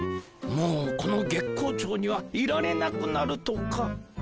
もうこの月光町にはいられなくなるとか？